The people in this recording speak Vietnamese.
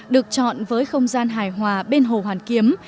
được chọn với không gian hài hòa bên hồ hoàn kiếm